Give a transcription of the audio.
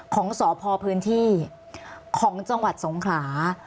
ของสพพื้นที่ของจังหวัดสงขลา